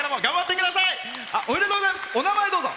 お名前、どうぞ。